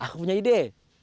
aku punya ide